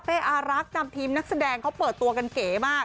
อารักษ์จำทีมนักแสดงเขาเปิดตัวกันเก๋มาก